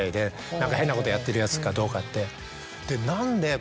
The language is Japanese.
何か変なことやってるヤツかどうかって。